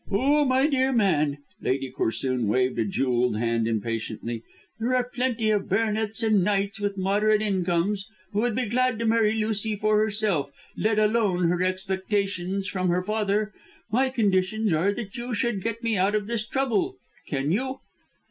"Oh, my dear man," Lady Corsoon waved a jewelled hand impatiently, "there are plenty of baronets and knights with moderate incomes who would be glad to marry Lucy for herself, let alone her expectations from her father. My conditions are that you should get me out of this trouble. Can you?"